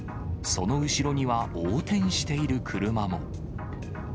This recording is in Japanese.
その後ろには横転している車も。